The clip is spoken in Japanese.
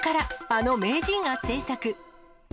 あの名人が製作。